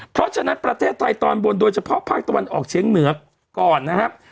เพราะฉะนั้นประเทศไทยตอนบนโดยเฉพาะภาคตะวันออกเชียงเหนือก่อนนะครับ